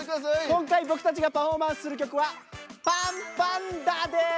今回僕たちがパフォーマンスする曲は「パンぱんだ」です！